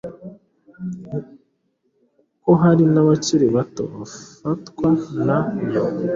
kuko hari n’abakiri bato bafatwa na yo